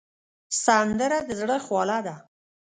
سندره د زړه خواله ده